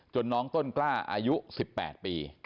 น้องต้นกล้าอายุ๑๘ปี